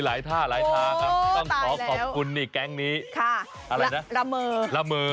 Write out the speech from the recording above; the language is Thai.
เอ้ามีหลายท่าครับต้องขอขอบคุณแก๊งนี้อะไรนะละเมอละเมอ